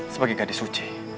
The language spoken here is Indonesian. sebagai gadis suci